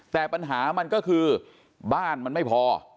แต่ปัญหามันก็คือบ้านมันไม่พอ